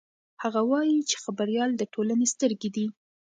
هغه وایي چې خبریال د ټولنې سترګې دي.